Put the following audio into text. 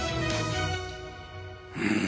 うん？